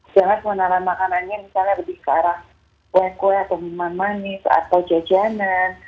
jangan pengenalan makanannya misalnya lebih ke arah kue kue atau minuman manis atau jajanan